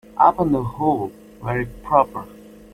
Upon the whole, very proper.